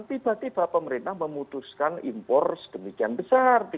tiba tiba pemerintah memutuskan impor segenis yang besar